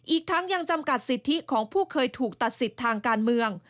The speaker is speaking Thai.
อีกทั้งยังจำกัดสิทธิของผู้เคยถูกตัดสิทธิ์ทางการเมือง